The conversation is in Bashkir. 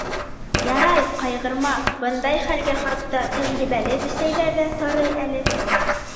Ярар, ҡайғырма, бындай хәлгә хатта тәжрибәле бесәйҙәр ҙә тарый әле.